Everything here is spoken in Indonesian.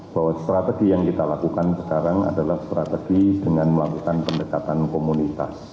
bahwa strategi yang kita lakukan sekarang adalah strategi dengan melakukan pendekatan komunitas